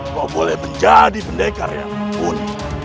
kau boleh menjadi pendekar yang mumpuni